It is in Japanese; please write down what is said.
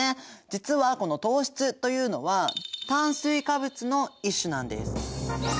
実はこの糖質というのは炭水化物の一種なんです。